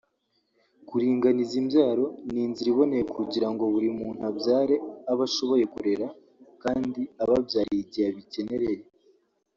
Kuringaniza imbyaro ni inzira iboneye kugira ngo buri muntu abyare abo ashoboye kurera kandi ababyarire igihe abikenereye